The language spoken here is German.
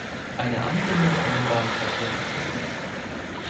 Eine Anbindung an den Bahnverkehr gibt es nicht.